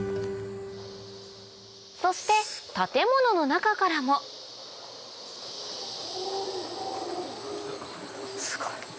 そして建物の中からもすごい。